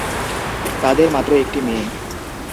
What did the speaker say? তাঁদের মাত্র একটি মেয়ে।